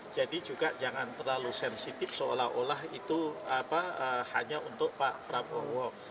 jadi juga jangan terlalu sensitif seolah olah itu hanya untuk pak prabowo